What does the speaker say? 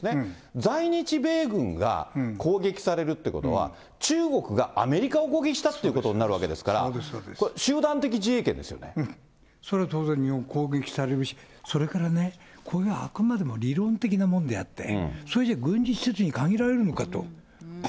在日米軍が、攻撃されるってことは、中国がアメリカを攻撃したっていうことになるわけですから、集団それは当然、日本攻撃されるし、それからね、こういうあくまでも理論的なもんであって、それじゃ軍事施設に限られるのかと。